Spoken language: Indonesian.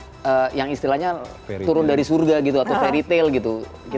bukan karakter karakter yang istilahnya turun dari surga gitu atau fairy tale gitu